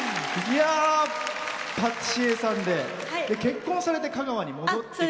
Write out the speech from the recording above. パティシエさんで結婚されて香川に戻ってきて。